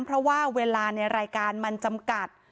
เพราะว่าเวลาในรายการมันจำกัด